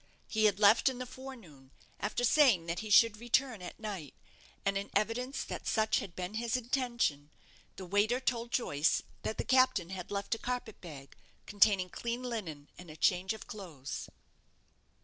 He had left in the forenoon, after saying that he should return at night; and in evidence that such had been his intention, the waiter told Joyce that the captain had left a carpet bag, containing clean linen and a change of clothes.